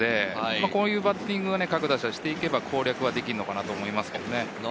こういうバッティングを各打者していけば攻略できると思います。